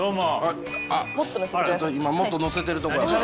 今もっと載せてるとこやから。